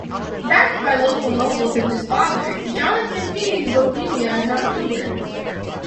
Backed by local nobles and his father, John campaigned Bohemia in October.